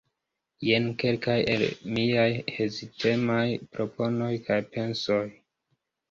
Jen kelkaj el miaj hezitemaj proponoj kaj pensoj.